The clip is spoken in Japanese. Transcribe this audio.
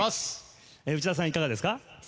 内田さん、いかがですか？